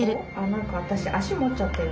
何か私足持っちゃってる。